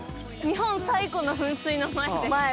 日本最古の噴水の前で。